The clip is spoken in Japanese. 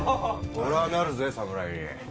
俺ぁなるぜ侍に。